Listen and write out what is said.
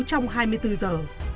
trong hai mươi bốn giờ